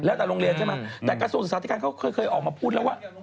แล้วแต่โรงเรียนใช่ไหมแต่กระทรวงศึกษาธิการเขาเคยออกมาพูดแล้วว่า